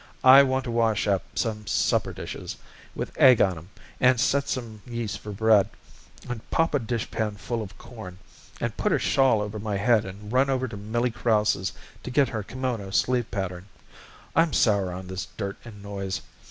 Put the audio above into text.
I want to wash up some supper dishes with egg on 'em, and set some yeast for bread, and pop a dishpan full of corn, and put a shawl over my head and run over to Millie Krause's to get her kimono sleeve pattern. I'm sour on this dirt and noise.